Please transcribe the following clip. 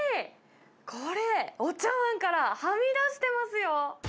これ、お茶碗からはみ出してますよ。